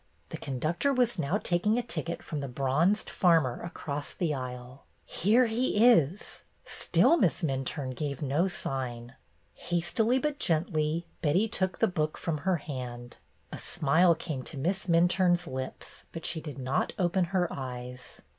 The conductor was now taking a ticket from the bronzed farmer across the aisle. Here he is I Still Miss Minturne gave no sign. Hastily 95 JUST AS LOIS HAD SAID but gently, Betty took the book from her hand. A smile came to Miss Minturne's lips, but she did not open her eyes.